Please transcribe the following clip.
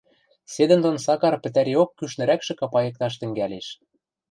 Седӹндон Сакар пӹтӓриок кӱшнӹрӓкшӹ капайыкташ тӹнгӓлеш.